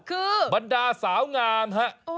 คือบรรดาสาวงามฮะ